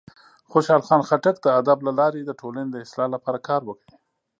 خوشحال خان خټک د ادب له لارې د ټولنې د اصلاح لپاره کار وکړ.